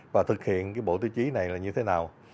và thực hiện bộ tiêu chí này là như thế nào